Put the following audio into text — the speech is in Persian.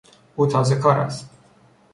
او تازهکار است.